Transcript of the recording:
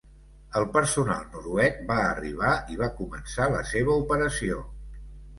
El personal noruec va arribar i va començar la seva operació.